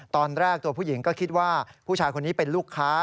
ตอนแรกตัวผู้หญิงก็คิดว่าผู้ชายคนนี้เป็นลูกค้า